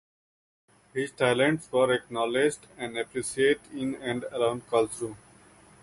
His talents were acknowledged and appreciated in and around Karlsruhe.